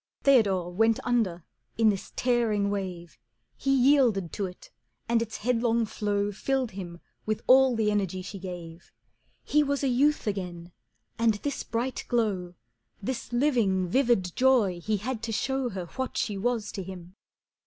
Theodore went under in this tearing wave, He yielded to it, and its headlong flow Filled him with all the energy she gave. He was a youth again, and this bright glow, This living, vivid joy he had to show Her what she was to him.